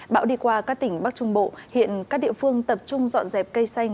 bão đi qua các tỉnh bắc trung bộ hiện các địa phương tập trung dọn dẹp cây xanh